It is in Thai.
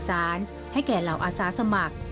ท่านแข่งเหล่าอาซาสมัคร